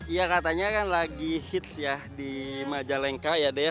ya katanya kan lagi hits ya di majalengka ya deh ya